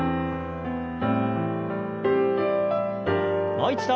もう一度。